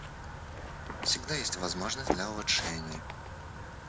Всегда есть возможности для улучшений.